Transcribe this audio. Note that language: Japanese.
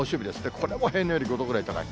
これも平年より５度ぐらい高い。